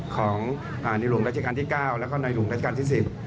ของในหลวงราชการที่๙แล้วก็ในหลวงราชการที่๑๐